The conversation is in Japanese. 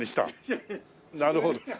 なるほど。